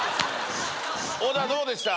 小沢どうでした？